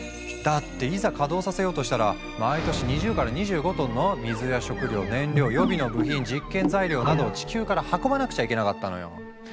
だっていざ稼働させようとしたら毎年２０から２５トンの水や食料燃料予備の部品実験材料などを地球から運ばなくちゃいけなかったのよ。